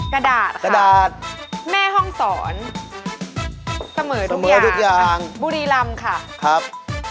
กระดาษกระดาษแม่ห้องสอนเสมอทุกอย่างบุรีรำค่ะครับ